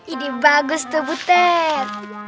ini bagus tuh butet